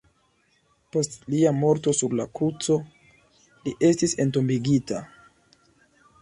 Post lia morto sur la kruco, li estis entombigita.